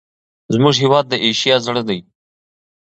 زموږ هېواد د اسیا زړه دی.